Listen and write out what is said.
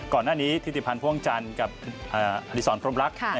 ก่อนหน้านี้ธิติพันธ์ภ่วงจันทร์กับอดีศรพร้อมรัก